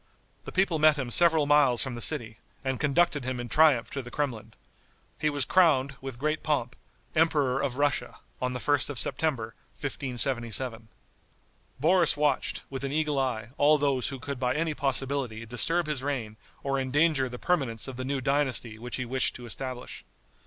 The people met him several miles from the city, and conducted him in triumph to the Kremlin. He was crowned, with great pomp, Emperor of Russia, on the 1st of September, 1577. Boris watched, with an eagle eye, all those who could by any possibility disturb his reign or endanger the permanence of the new dynasty which he wished to establish.